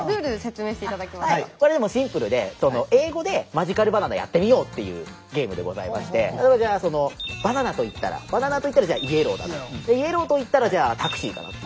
これでもシンプルで英語でマジカルバナナやってみようっていうゲームでございましてなのでＢａｎａｎａといったらＢａｎａｎａといったらじゃあＹｅｌｌｏｗだと。でＹｅｌｌｏｗといったらじゃあＴａｘｉかなと。